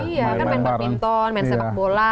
iya kan main badminton main sepak bola